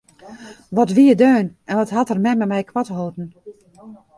Wat wie er deun en wat hat er mem en my koart holden!